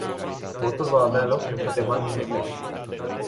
Votul va avea loc în câteva minute.